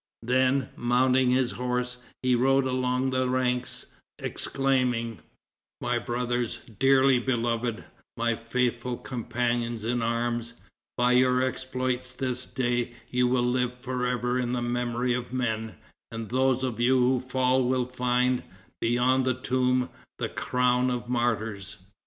Then, mounting his horse, he rode along the ranks, exclaiming, "My brothers dearly beloved; my faithful companions in arms: by your exploits this day you will live for ever in the memory of men; and those of you who fall will find, beyond the tomb, the crown of martyrs."